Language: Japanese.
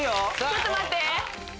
ちょっと待って！